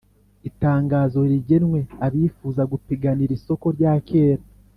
itangazo rigenwe abifuza gupiganira isoko rya kera